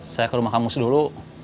saya ke rumah kamus dulu